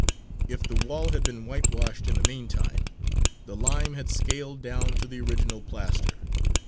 If the wall had been whitewashed in the meantime, the lime had scaled down to the original plaster.